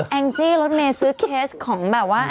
งจี้รถเมย์ซื้อเคสของแบบว่า